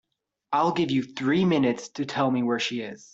I'll give you three minutes to tell me where she is.